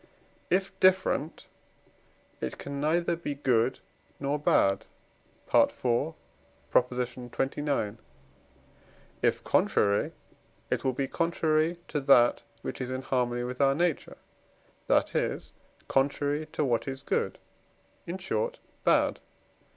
If different, it can neither be good nor bad (IV. xxix.); if contrary, it will be contrary to that which is in harmony with our nature, that is, contrary to what is good in short, bad.